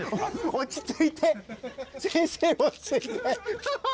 落ち着いて！